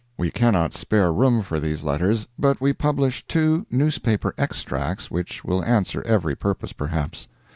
We cannot spare room for these letters, but we publish two newspaper extracts which will answer every purpose, perhaps.